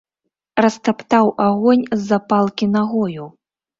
Растаптаў агонь з запалкі нагою.